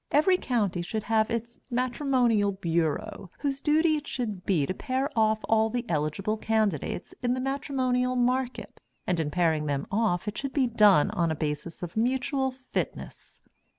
Every county should have its Matrimonial Bureau, whose duty it should be to pair off all the eligible candidates in the matrimonial market, and in pairing them off it should be done on a basis of mutual fitness.